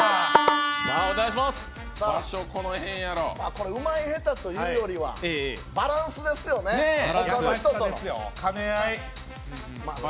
これ、うまい下手というよりはバランスですよね、ほかの人との兼ね合い。